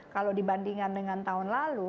kalau dibandingkan dengan tahun lalu